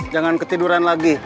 jangan ketiduran lagi